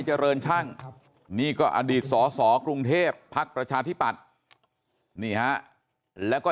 เจริญช่างนี่ก็อดีตสสกรุงเทพภักดิ์ประชาธิปัตย์นี่ฮะแล้วก็